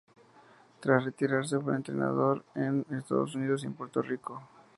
Tras retirarse fue entrenador en Estados Unidos y en Puerto Rico.